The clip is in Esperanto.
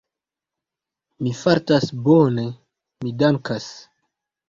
Mi fartas bone, mi dankas.